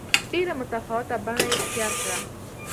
ډېره متفاوته بڼه یې اختیار کړه.